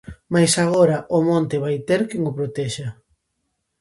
Mais agora, o monte vai ter quen o protexa...